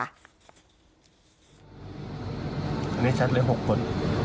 อันนี้ชัดเลย๖คน